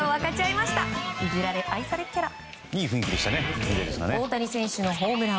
いじられ愛されキャラ。